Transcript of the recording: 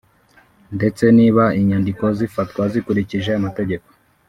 ndetse niba inyandiko zifatwa zikurikije amategeko